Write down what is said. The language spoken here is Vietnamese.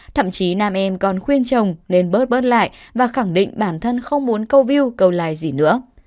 thậm chí nam em còn khuyên chồng nên bớt lại và khẳng định bản thân không muốn câu view câu like gì nữa